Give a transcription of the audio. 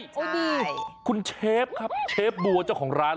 ใจดีคุณเชฟครับเชฟบัวเจ้าของร้าน